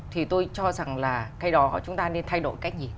thì tôi cho rằng là cái đó chúng ta nên thay đổi cách nhìn